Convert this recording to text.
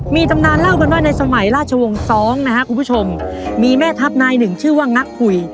มีตำนานเล่ากันว่าในสมัยราชวงศ์๒นะครับคุณผู้ชมมีแม่ทัพนายหนึ่งชื่อว่างักคุย